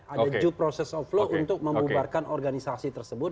ada due process of law untuk membubarkan organisasi tersebut